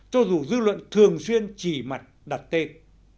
cho dù dư luận thường xuyên chỉ mặt đặt tên